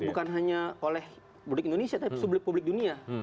bukan hanya oleh publik indonesia tapi publik publik dunia